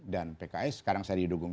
dan pks sekarang saya didukung